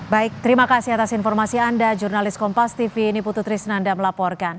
baik terima kasih atas informasi anda jurnalis kompas tv ini putri senanda melaporkan